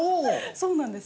そうなんです。